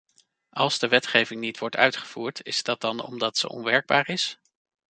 Als de wetgeving niet wordt uitgevoerd, is dat dan omdat ze onwerkbaar is?